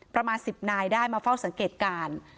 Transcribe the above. ประมาณ๑๐นายได้มาเฝ้าสังเกตการณ์